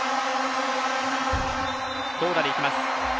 強打でいきます。